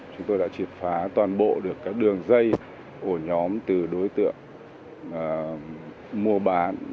chúng tôi đã triệt phá toàn bộ được các đường dây ổ nhóm từ đối tượng mua bán